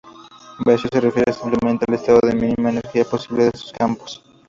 Vacío se refiere simplemente al estado de mínima energía posible de estos campos.